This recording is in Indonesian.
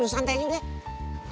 lo santainya deh